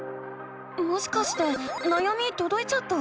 もしかしてなやみとどいちゃった？